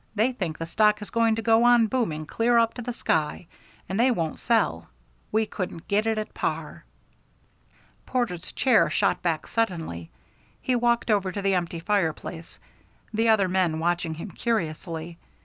They think the stock is going to go on booming clear up to the sky, and they won't sell. We couldn't get it at par." Porter's chair shot back suddenly. He walked over to the empty fireplace, the other men watching him curiously.